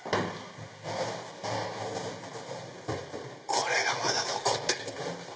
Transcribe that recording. これがまだ残ってるよ。